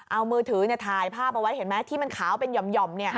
เอามือถือถ่ายภาพเอาไว้เห็นไหมที่มันขาวเป็นหย่อม